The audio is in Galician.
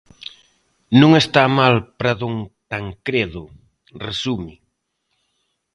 Non está mal para Don Tancredo!, resume.